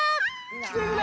きてくれ！